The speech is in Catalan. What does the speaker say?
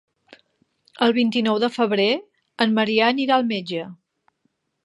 El vint-i-nou de febrer en Maria anirà al metge.